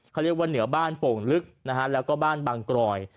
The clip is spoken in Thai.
เขาเรียกว่าเหนือบ้านโป่งลึกนะฮะแล้วก็บ้านบางกรอย